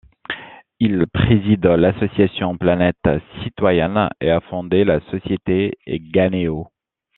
Il préside l’Association Planète citoyenne et a fondé la société Eganeo.